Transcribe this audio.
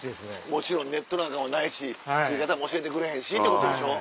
もちろんネットなんかもないし作り方も教えてくれへんしってことでしょ。